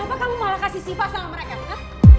kenapa kamu malah kasih siva sama mereka ma